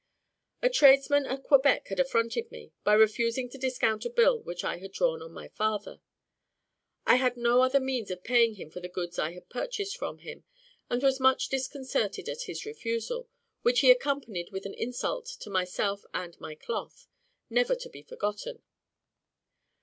A tradesman at Quebec had affronted me, by refusing to discount a bill which I had drawn on my father. I had no other means of paying him for the goods I had purchased of him, and was much disconcerted at his refusal, which he accompanied with an insult to myself and my cloth, never to be forgotten.